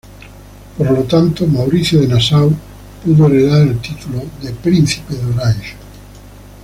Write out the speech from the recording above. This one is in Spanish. Por lo tanto, Mauricio de Nassau pudo heredar el título Príncipe de Orange.